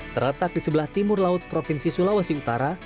terletak di sebelah timur laut provinsi sulawesi utara